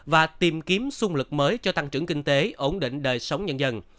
và tìm kiếm sung lực mới cho tăng trưởng kinh tế ổn định đời sống nhân dân